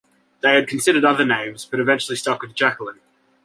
They had considered other names, but eventually stuck with Jacquelyn.